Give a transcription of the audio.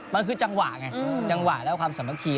มันคือจังหวะไงจังหวะแล้วความสามัคคี